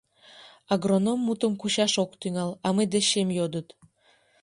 — Агроном мутым кучаш ок тӱҥал, а мый дечем йодыт.